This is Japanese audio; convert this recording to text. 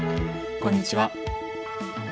こんにちは。